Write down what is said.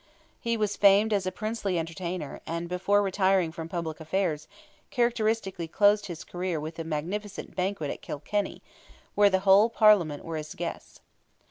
He was famed as a princely entertainer, and before retiring from public affairs, characteristically closed his career with a magnificent banquet at Kilkenny, where the whole Parliament were his guests.